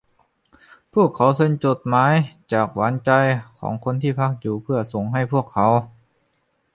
พวกเขาเซ็นจดหมายจากหวานใจของคนที่พักอยู่เพื่อส่งให้พวกเขา